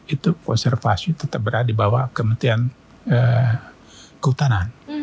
itu konservasi tetap berada di bawah kementerian kehutanan